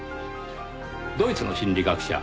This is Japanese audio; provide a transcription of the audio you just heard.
ドイツの心理学者